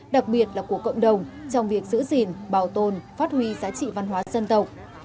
đặc biệt là của cộng đồng trong việc giữ gìn bảo tồn phát huy giá trị văn hóa dân tộc